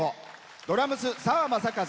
ドラムス、澤雅一。